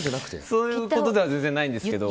そういうことでは全然ないんですけど。